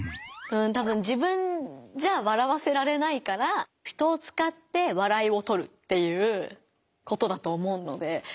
たぶん自分じゃ笑わせられないから人をつかって笑いをとるっていうことだと思うので。